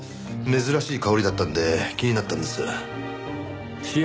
珍しい香りだったので気になったんです。